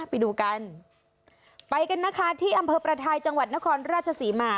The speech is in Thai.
ไปดูกันไปกันนะคะที่อำเภอประทายจังหวัดนครราชศรีมา